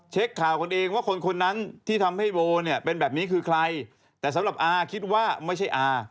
เช็คข่าวกันเองว่าคนคนนั้นที่ทำให้โบเนี่ยเป็นแบบนี้คือใครแต่สำหรับอาคิดว่าไม่ใช่อา